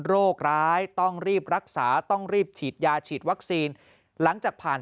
โรคร้ายต้องรีบรักษาต้องรีบฉีดยาฉีดวัคซีนหลังจากผ่าน